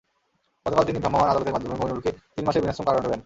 গতকাল তিনি ভ্রাম্যমাণ আদালতের মাধ্যমে মমিনুলকে তিন মাসের বিনাশ্রম কারাদণ্ড দেন।